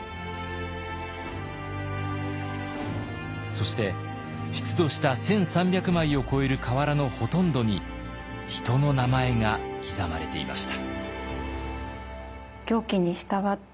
そして出土した１，３００枚を超える瓦のほとんどに人の名前が刻まれていました。